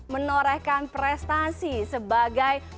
menorehkan prestasi sebagai